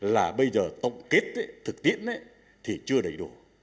là bây giờ tổng kết thực tiễn thì chưa đầy đủ